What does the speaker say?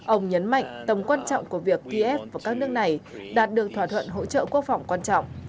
ông nhấn mạnh tầm quan trọng của việc kiev và các nước này đạt được thỏa thuận hỗ trợ quốc phòng quan trọng